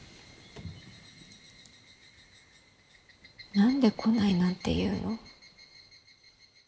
何で「来ない」なんて言うの？